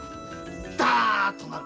ダーッとなる。